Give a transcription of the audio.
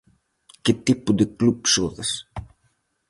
Que tipo de club sodes?